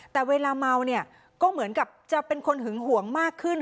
แต่เวลาเมาเนี่ยก็เหมือนกับจะเป็นคนหึงหวงมากขึ้น